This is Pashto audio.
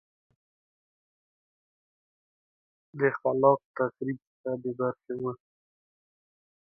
د خلاق تخریب څخه بې برخې وه